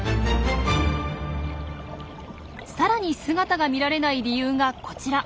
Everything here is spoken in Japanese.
さらに姿が見られない理由がこちら。